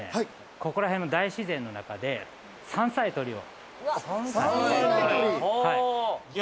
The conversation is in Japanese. ここら辺の大自然の中で山菜採りを。